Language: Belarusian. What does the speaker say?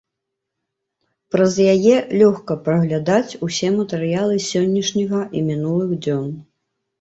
Праз яе лёгка праглядаць усе матэрыялы сённяшняга і мінулых дзён.